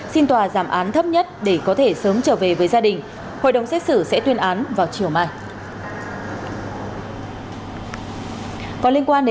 xin tòa giảm án thấp nhất để có thể sớm trở về với gia đình hội đồng xét xử sẽ tuyên án vào chiều mai